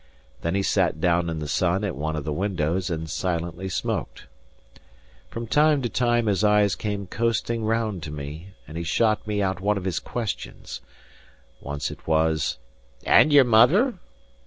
Then he sat down in the sun at one of the windows and silently smoked. From time to time his eyes came coasting round to me, and he shot out one of his questions. Once it was, "And your mother?"